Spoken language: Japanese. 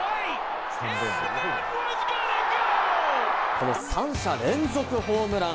この３者連続ホームラン。